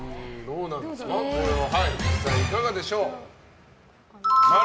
いかがでしょう？